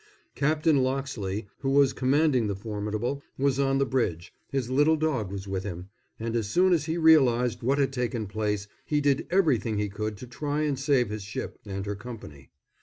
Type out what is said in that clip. Captain Loxley, who was commanding the Formidable, was on the bridge his little dog was with him and as soon as he realised what had taken place he did everything he could to try and save his ship and her company.